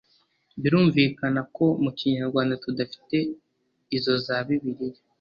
Birumvikana ko mu Kinyarwanda tudafite izo za Bibiliya,